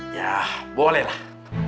ya boleh lah